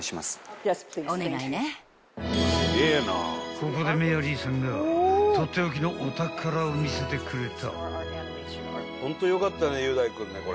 ［ここでメアリーさんがとっておきのお宝を見せてくれた］